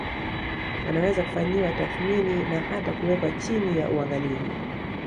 Wanaweza kufanyiwa tathmini na hata kuwekwa chini ya uangalizi